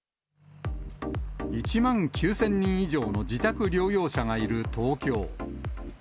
１万９０００人以上の自宅療養者がいる東京。